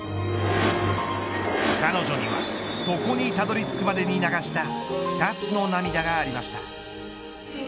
彼女にはここにたどり着くまでに流した２つの涙がありました。